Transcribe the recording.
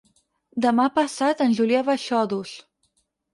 Demà passat en Julià va a Xodos.